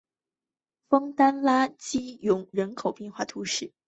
枫丹拉基永人口变化图示